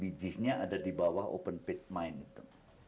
biji nya ada di bawah open pit mine itu